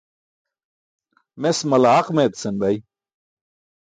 Mes malaaq meetasan bay.